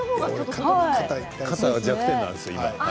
今肩が弱点なんですよ。